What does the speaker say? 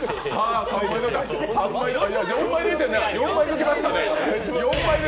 ４枚抜きましたね。